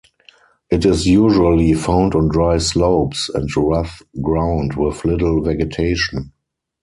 It is usually found on dry slopes and rough ground with little vegetation.